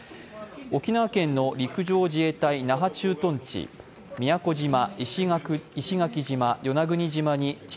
沖縄県の陸上自衛隊那覇駐屯地、宮古島、石垣島、与那国島に地